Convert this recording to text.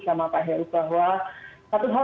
sama pak heru bahwa satu hal